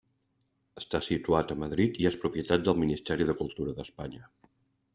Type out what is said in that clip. Està situat a Madrid i és propietat del Ministeri de Cultura d'Espanya.